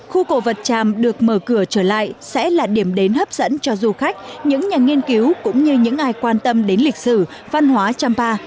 khu cổ vật tràm được mở cửa trở lại sẽ là điểm đến hấp dẫn cho du khách những nhà nghiên cứu cũng như những ai quan tâm đến lịch sử văn hóa champa